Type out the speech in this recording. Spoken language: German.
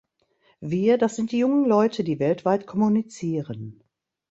Wir, das sind die jungen Leute, die weltweit kommunizieren.